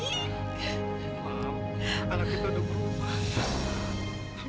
mam anak kita udah berubah